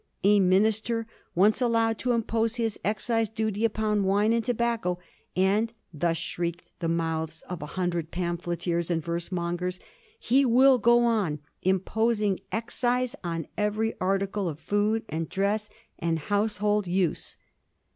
A minister once allowed to impose his excise duty upon wine and tobacco, and — thus shrieked the mouths of a himdred pamphleteers and verse mongers — ^he will go on imposing excise on every article of food, and dress, and household use.